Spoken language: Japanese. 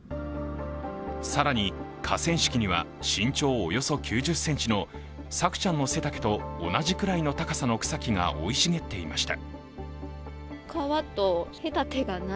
更に河川敷には身長およそ９０ｃｍの朔ちゃんと背丈と同じくらいの高さの草木が生い茂っていました。